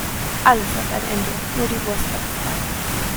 Alles hat ein Ende, nur die Wurst hat zwei.